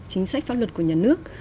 chính sách pháp luật của nhà nước